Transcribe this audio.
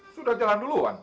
sudah jalan duluan